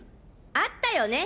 会ったよね